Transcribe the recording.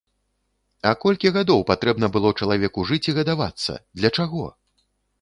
А колькі гадоў патрэбна было чалавеку жыць і гадавацца, для чаго?